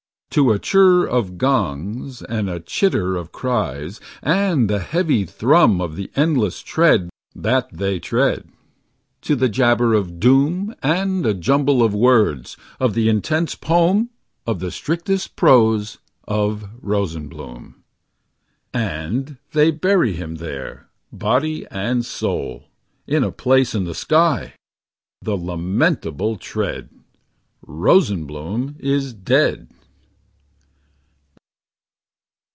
To a chirr of gongs And a chitter of cries And the heavy thrum Of the endless tread That they tread. To a jabber of doom And a jumble of words Of the intense poem Of the strictest prose Of Rosenbloom. And they bury him there. Body and soul. In a place in the sky. The lamentable tread! Rosenbloom is dead.